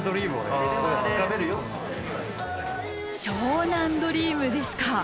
湘南ドリームですか。